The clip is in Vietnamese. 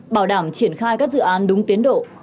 bảo đảm triển khai các dự án đúng tiến độ